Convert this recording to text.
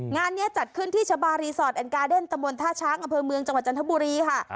งานนี้จัดขึ้นที่ชะบารีสอร์ทแอนกาเดนตะบนท่าช้างอำเภอเมืองจังหวัดจันทบุรีค่ะ